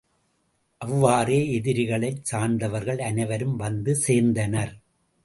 அவ்வாறே எதிரிகளைச் சார்ந்தவர்கள் அனைவரும் வந்து சேர்ந்தனர்.